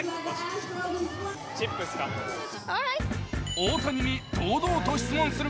大谷に堂々と質問する